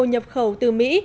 nhập khẩu từ mỹ